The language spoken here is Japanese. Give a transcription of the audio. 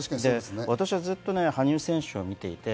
私はずっと羽生選手を見ていて、